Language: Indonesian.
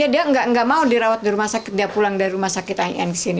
dia tidak mau dirawat di rumah sakit dia pulang dari rumah sakit anx ini